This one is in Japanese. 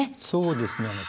そうですね。